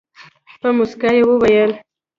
په موسکا یې وویل.